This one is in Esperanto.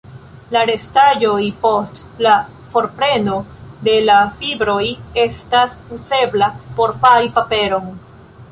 La restaĵoj post la forpreno de la fibroj estas uzebla por fari paperon.